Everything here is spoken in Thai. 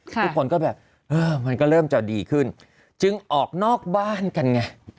ทุกคนก็แบบเออมันก็เริ่มจะดีขึ้นจึงออกนอกบ้านกันไง